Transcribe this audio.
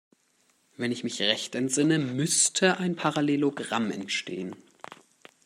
Wenn ich mich recht entsinne, müsste ein Parallelogramm entstehen.